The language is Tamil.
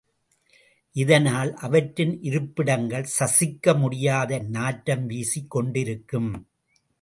இதனால் அவற்றின் இருப்பிடங்கள் சசிக்க முடியாத நாற்றம் வீசிக் கொண்டிருக்கும்.